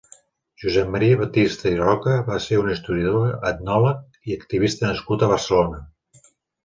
Josep Maria Batista i Roca va ser un historiador, etnòleg i activista nascut a Barcelona.